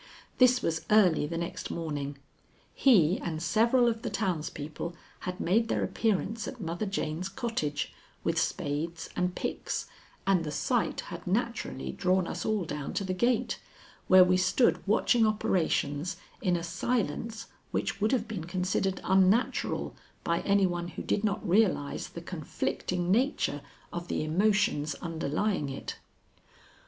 This was early the next morning. He and several of the townspeople had made their appearance at Mother Jane's cottage, with spades and picks, and the sight had naturally drawn us all down to the gate, where we stood watching operations in a silence which would have been considered unnatural by any one who did not realize the conflicting nature of the emotions underlying it.